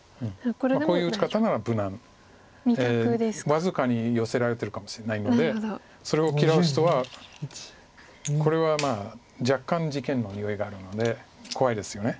僅かにヨセられてるかもしれないのでそれを嫌う人はこれは若干事件のにおいがあるので怖いですよね。